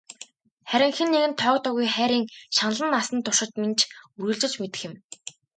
Харин хэн нэгэнд тоогдоогүй хайрын шаналан насан туршид минь ч үргэлжилж мэдэх юм.